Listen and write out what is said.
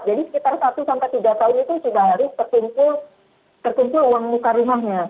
jadi sekitar satu tiga tahun itu sudah harus tertumpu uang buka rumahnya